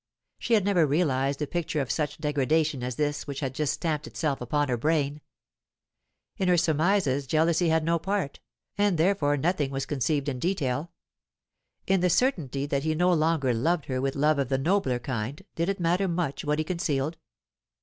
She had never realized a picture of such degradation as this which had just stamped itself upon her brain. In her surmises jealousy had no part, and therefore nothing was conceived in detail. In the certainty that he no longer loved her with love of the nobler kind, did it matter much what he concealed?